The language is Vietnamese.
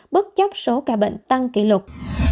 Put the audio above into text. bất chấp số ca bệnh tăng kỷ lục